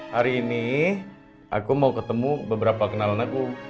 hari ini aku mau ketemu beberapa kenalan aku